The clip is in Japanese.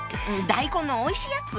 大根のおいしいやつ。